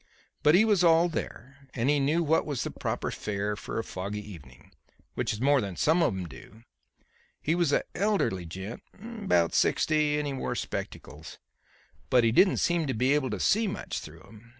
But he was all there, and he knew what was the proper fare for a foggy evening, which is more than some of 'em do. He was a elderly gent, about sixty, and he wore spectacles, but he didn't seem to be able to see much through 'em.